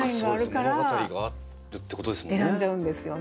物語があるってことですもんね。